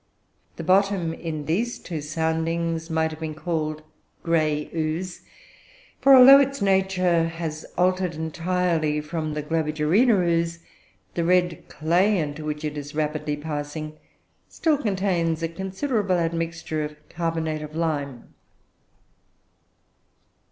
The bottom in these two soundings might have been called 'grey ooze,' for although its nature has altered entirely from the Globigerina ooze, the red clay into which it is rapidly passing still contains a considerable admixture of carbonate of lime.